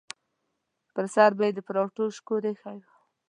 پر سر به یې د پراټو شکور ایښی و.